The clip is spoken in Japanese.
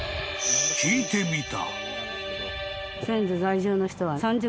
［聞いてみた］